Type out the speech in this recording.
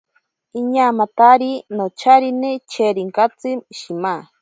Iñaamatari nocharine cherinkantsi shima.